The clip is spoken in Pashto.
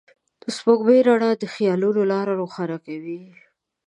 د سپوږمۍ رڼا د خيالونو لاره روښانه کوي.